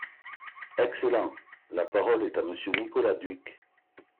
Excellent ! La parole est à Monsieur Nicolas Dhuicq.